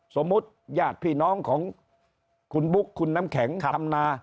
สมมุติญาติพี่น้องของคุณบุ๊คคุณน้ำแข็งทำนา